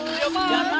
aduh bisa banget tuh